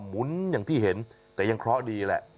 หมุนอย่างที่เห็นแต่ยังเคราะห์ดีแหละ